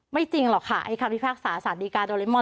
จริงหรอกค่ะไอ้คำพิพากษาสารดีกาโดเรมอน